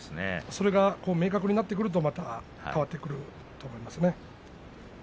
それが明確になってくると、また変わってくると思うんですね。